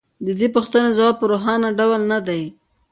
د دې پوښتنې ځواب په روښانه ډول نه دی